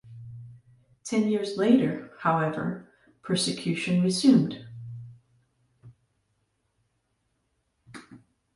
Ten years later, however, persecution resumed.